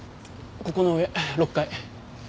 ここの上６階。